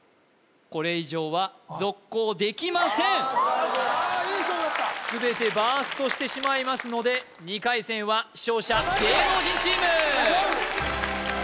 すごいねこれ以上はいい勝負だった全てバーストしてしまいますので２回戦は勝者芸能人チーム！